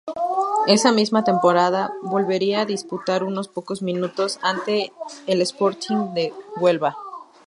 Esa misma temporada volvería a disputar unos pocos minutos ante el Sporting de Huelva.